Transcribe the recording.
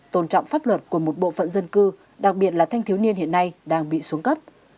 tôn trọng pháp luật của một bộ phận dân cư đặc biệt là thanh thiếu niên hiện nay đang bị xuống cấp